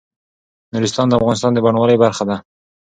نورستان د افغانستان د بڼوالۍ برخه ده.